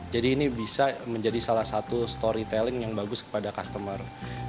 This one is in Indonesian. jadi ini bisa menjadi salah satu story telling yang bagus kepada customer